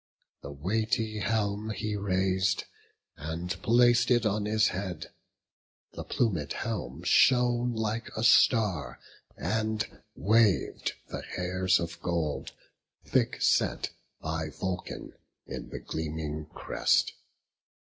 The weighty helm he rais'd, And plac'd it on his head; the plumed helm Shone like a star; and wav'd the hairs of gold. Thick set by Vulcan in the gleaming crest.